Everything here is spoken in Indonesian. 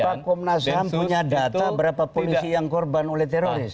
bapak komnas ham punya data berapa polisi yang korban oleh teroris